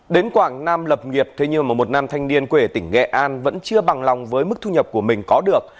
đến quảng nam lập nghiệp thế nhưng mà một nam thanh niên quê ở tỉnh nghệ an vẫn chưa bằng lòng với mức thu nhập của mình có được